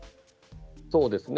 そうですね。